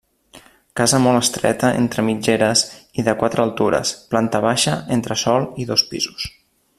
Casa molt estreta, entre mitgeres, i de quatre altures, planta baixa, entresòl i dos pisos.